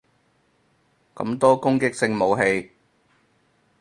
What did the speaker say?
咁多攻擊性武器